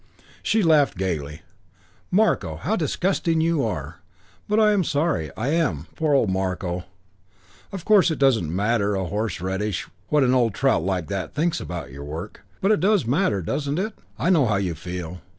She laughed gaily. "Marko! How disgusting you are! But I'm sorry. I am. Poor old Marko.... Of course it doesn't matter a horse radish what an old trout like that thinks about your work, but it does matter, doesn't it? I know how you feel.